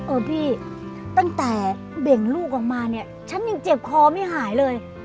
พี่ตั้งแต่เบ่งลูกออกมาเนี่ยฉันยังเจ็บคอไม่หายเลย